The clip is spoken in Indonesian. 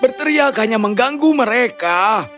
berteriak hanya mengganggu mereka